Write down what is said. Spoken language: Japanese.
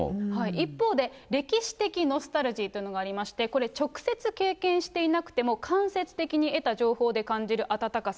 一方で、歴史的ノスタルジーというのがありまして、これ、直接経験していなくても、間接的に得た情報で感じる温かさ。